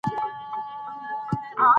که وخت تېر سي، نو بيا نه راګرځي.